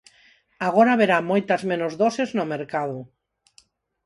Agora haberá moitas menos doses no mercado.